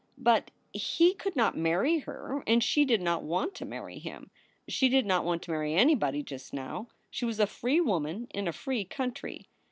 But he could not marry her and she did not want to marry him. She did not want to marry anybody just now. She was a free woman in a free country.